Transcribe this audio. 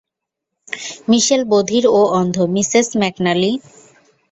মিশেল বধির ও অন্ধ, মিসেস ম্যাকনালি!